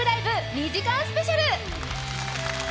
２時間スペシャル。